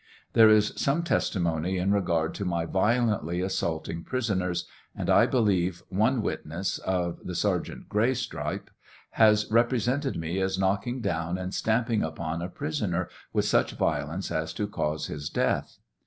There is some testimony in regard to my violently assaulting prisoners, and I believe one witness, of the Sergeant Gray stripe, has represented me as knocking down and stamping upon a prisoner with such violence as to cause his death.